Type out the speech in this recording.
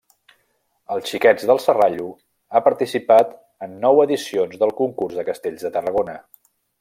Els Xiquets del Serrallo ha participat en nou edicions del Concurs de castells de Tarragona.